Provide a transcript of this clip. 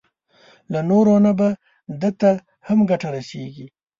له نورو نه به ده ته هم ګټه رسېږي.